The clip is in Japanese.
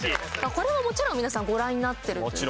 これはもちろん皆さんご覧になってるっていう事ですよね。